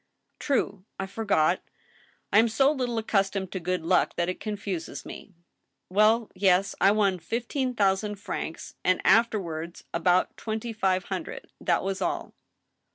"True; I forgot, I am so little accustomed to good luck that it confuses me. Well, yes ; I won fifteen thousand francs, and afterwards about twenty five hundred. That was all." "All?"